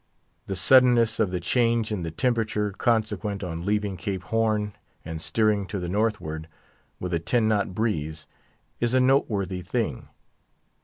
The suddenness of the change in the temperature consequent on leaving Cape Horn, and steering to the northward with a ten knot breeze, is a noteworthy thing.